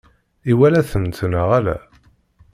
Iwala-tent neɣ ala?